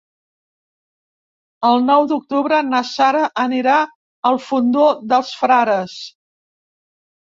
El nou d'octubre na Sara anirà al Fondó dels Frares.